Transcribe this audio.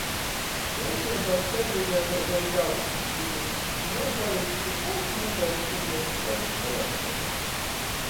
Bierneibā servizei vēļ beja daudz škīvu, niu palics tik pats mozais pūdeņš bez vuoceņa.